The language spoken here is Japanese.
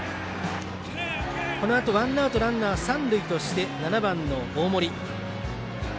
このあとワンアウトランナー、三塁として７番の大森。